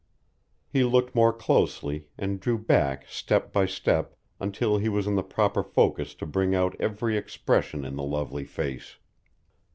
He looked more closely, and drew back step by step, until he was in the proper focus to bring out every expression in the lovely face.